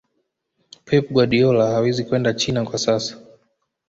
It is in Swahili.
pep guardiola hawezi kwenda china kwa sasa